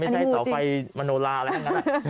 ไม่ใช่เสาไฟมโนลาอะไรแบบนั้น